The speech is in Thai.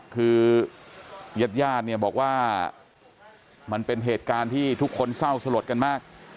คือญาติญาติเนี่ยบอกว่ามันเป็นเหตุการณ์ที่ทุกคนเศร้าสลดกันมาก